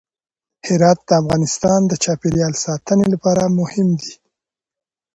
هرات د افغانستان د چاپیریال ساتنې لپاره مهم دي.